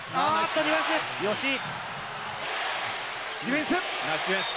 ディフェンス、吉井。